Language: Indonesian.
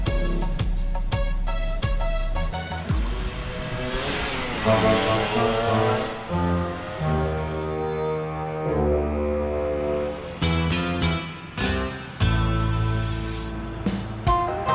terus terus terus terus